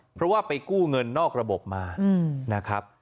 เพราะว่าไปกู้เงินนอกระบบมานะครับ